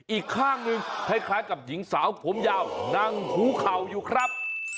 อีกข้างหนึ่งคล้ายกับหญิงสาวผมยาวนั่งหูเข่าอยู่ครับ